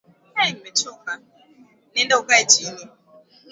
Nenda ukae chini